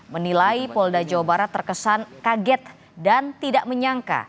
menilai polda jawa barat terkesan kaget dan tidak menyangka